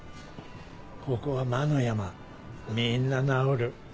ここは魔の山みんな治る。